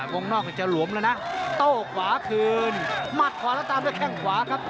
วงนอกจะหลวมแล้วนะโต้ขวาคืนมัดขวาแล้วตามด้วยแข้งขวาครับ